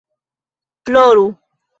ploru